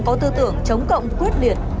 có tư tưởng chống cộng quyết liệt